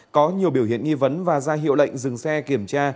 có nhiều biểu hiện nghi vấn và ra hiệu lệnh dừng xe kiểm tra